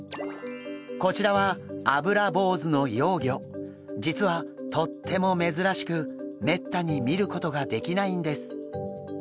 こちらは実はとっても珍しくめったに見ることができないんです。